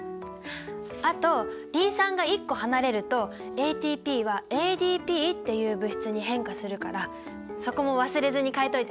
あとリン酸が１個離れるとＡＴＰはＡＤＰっていう物質に変化するからそこも忘れずに変えといてね。